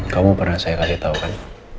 kamu pernah saya kasih tau kan